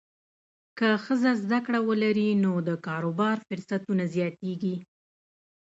که ښځه زده کړه ولري، نو د کاروبار فرصتونه زیاتېږي.